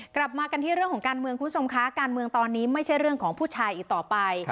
กลับมากันที่เรื่องของการเมืองคุณผู้ชมคะการเมืองตอนนี้ไม่ใช่เรื่องของผู้ชายอีกต่อไป